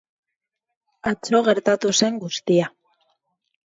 Atzo gertatu zen guztia.